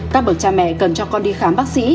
các bậc cha mẹ cần cho con đi khám bác sĩ